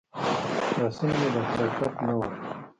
لاسونه مې د حرکت نه ول.